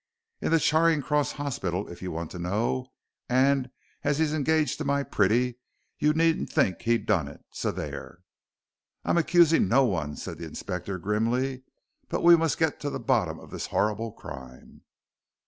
"In the Charing Cross Hospital if you want to know, and as he's engaged to my pretty you needn't think he done it so there." "I am accusing no one," said the Inspector, grimly, "but we must get to the bottom of this horrible crime."